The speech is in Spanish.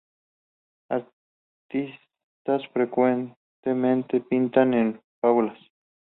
Artistas frecuentemente pintan en fábulas..